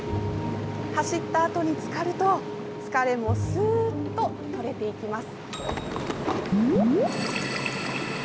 走ったあとにつかると疲れもすっと取れていきます。